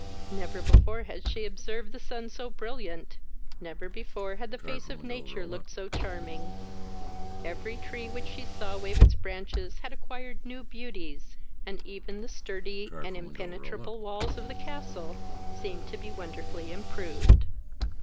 Never before had she observed the sun so brilliant, never before had the face of nature looked so charming: every tree which she saw wave its branches had acquired new beauties, and even the sturdy and impenetrable walls of the castle seemed to be wonderfully improved.